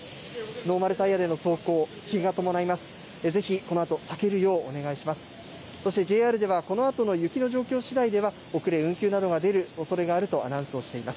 ノーマルタイヤでの走行危険が伴います。